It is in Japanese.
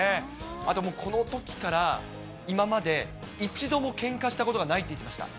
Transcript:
あともう、このときから今まで、一度もけんかしたことがないって言ってました。